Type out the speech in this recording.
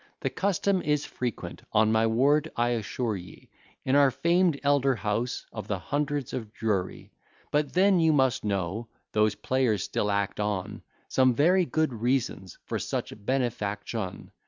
The custom is frequent, on my word I assure ye, In our famed elder house, of the Hundreds of Drury. But then you must know, those players still act on Some very good reasons, for such benefaction.